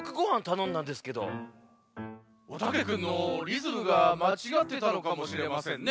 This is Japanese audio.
おたけくんのリズムがまちがってたのかもしれませんね。